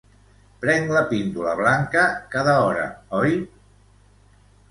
Prenc la píndola blanca cada hora, oi?